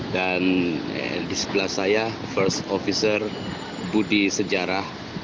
dan di sebelah saya first officer budi sejarah